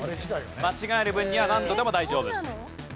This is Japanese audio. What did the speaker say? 間違える分には何度でも大丈夫。